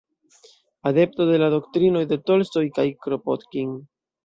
Adepto de la doktrinoj de Tolstoj kaj Kropotkin.